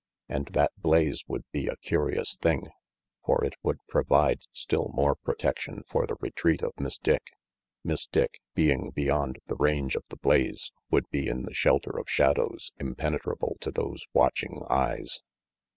And that blaze would be a curious thing, for it would provide still more protection for the retreat of Miss Dick. Miss Dick, being beyond the range of the blaze, would be in the shelter of shadows impenetrable to those watching eyes.